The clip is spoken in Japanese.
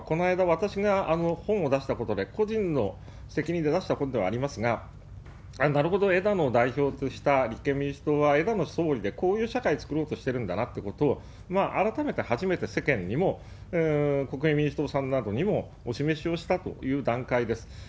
私が本を出したことで、個人の責任で出した本ではありますが、なるほど、枝野代表として立憲民主党は、枝野総理でこういう社会作ろうとしてるんだなということを、改めて初めて世間にも、国民民主党さんなどにもお示しをしたという段階です。